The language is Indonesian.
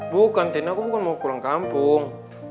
bukan tni aku bukan mau pulang kampung